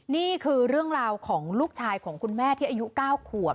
นี่คือเรื่องราวของลูกชายของคุณแม่ที่อายุ๙ขวบ